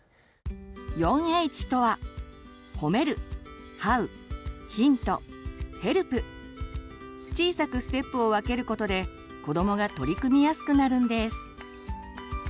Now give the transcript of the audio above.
４Ｈとは小さくステップを分けることで子どもが取り組みやすくなるんです。